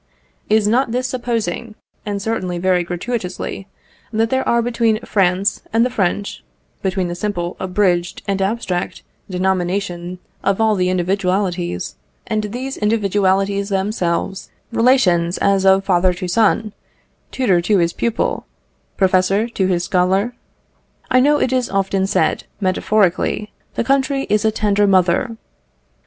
Is not this supposing, and certainly very gratuitously, that there are between France and the French between the simple, abridged, and abstract denomination of all the individualities, and these individualities themselves relations as of father to son, tutor to his pupil, professor to his scholar? I know it is often said, metaphorically, "the country is a tender mother."